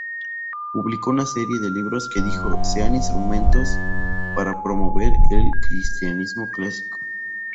Publicó una serie de libros que dijo sean instrumentos para promover el "Cristianismo clásico".